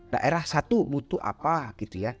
daerah satu butuh apa gitu ya